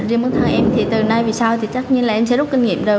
riêng bản thân em thì từ nay về sau thì chắc như là em sẽ rút kinh nghiệm rồi